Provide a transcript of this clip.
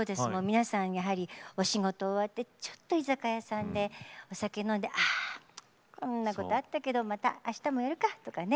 皆さんやはりお仕事終わってちょっと居酒屋さんでお酒飲んであこんなことあったけどまたあしたもやるか！とかね。